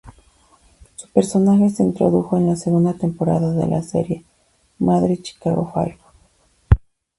Su personaje se introdujo en la segunda temporada de la serie madre Chicago Fire.